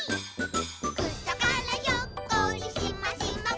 「くさからひょっこりしましまパンツ」